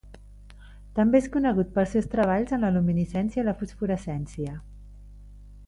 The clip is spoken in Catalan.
També és conegut pels seus treballs en la luminescència i fosforescència.